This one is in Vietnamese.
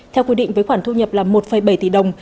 theo quy định với khoản thu nhập là một bảy tỷ đồng